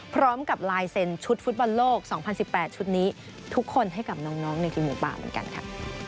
พร้อมกับลายเซ็นชุดฟุตบอลโลก๒๐๑๘ชุดนี้ทุกคนให้กับน้องในทีมหมูป่าเหมือนกันค่ะ